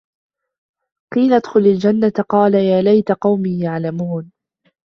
قِيلَ ادْخُلِ الْجَنَّةَ قَالَ يَا لَيْتَ قَوْمِي يَعْلَمُونَ